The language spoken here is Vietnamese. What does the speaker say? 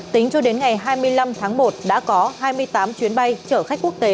tính cho đến ngày hai mươi năm tháng một đã có hai mươi tám chuyến bay chở khách quốc tế